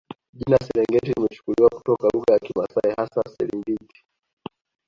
Jina Serengeti limechukuliwa kutoka lugha ya Kimasai hasa Serengit